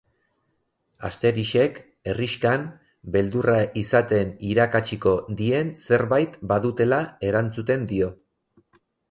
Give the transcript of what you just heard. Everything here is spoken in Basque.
Asterixek, herrixkan, beldurra izaten irakatsiko dien zerbait badutela erantzuten dio.